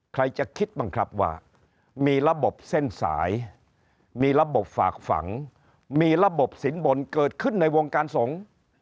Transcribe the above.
ใครจะคิดบ้างครับว่ามีระบบเส้นสายมีระบบฝากฝังมีระบบสินบนเกิดขึ้นในวงการสงฆ์